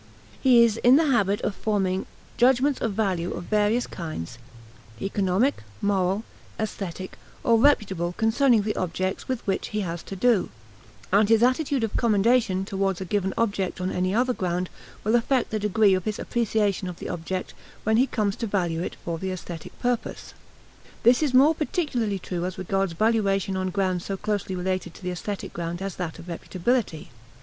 He is in the habit of forming judgments of value of various kinds economic, moral, aesthetic, or reputable concerning the objects with which he has to do, and his attitude of commendation towards a given object on any other ground will affect the degree of his appreciation of the object when he comes to value it for the aesthetic purpose. This is more particularly true as regards valuation on grounds so closely related to the aesthetic ground as that of reputability.